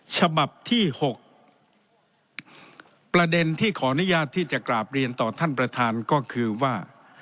ฉบับที่๖ประเด็นที่ขออนุญาตที่จะกราบเรียนต่อท่านประธานก็คือว่า